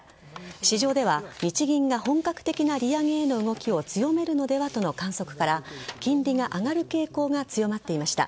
市場では日銀が本格的な利上げへの動きを強めるのではとの観測から金利が上がる傾向が強まっていました。